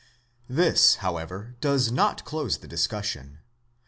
This, however, does not close the discussion.